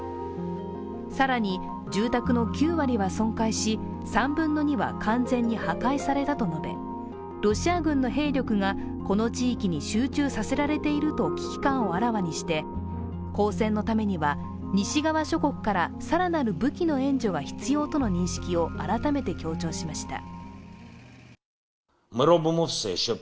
更に住宅の９割は損壊し、３分の２は完全に破壊されたと述べ、ロシア軍の兵力がこの地域に集中させられていると危機感をあらわにして抗戦のためには、西側諸国から更なる武器の援助が必要との認識を改めて強調しました。